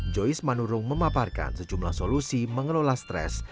joyce manurung memaparkan sejumlah solusi mengelola stres